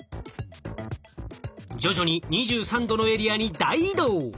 徐々に２３℃のエリアに大移動。